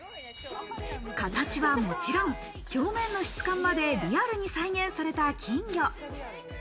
形はもちろん、表面の質感までリアルに再現された金魚。